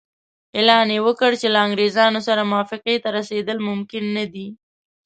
اعلان یې وکړ چې له انګریزانو سره موافقې ته رسېدل ممکن نه دي.